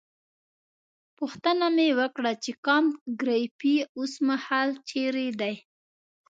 پوښتنه مې وکړه چې کانت ګریفي اوسمهال چیرې دی.